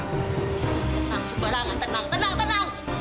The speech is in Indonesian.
tenang subarangat tenang tenang tenang